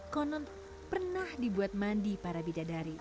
konon pernah dibuat mandi para bidadari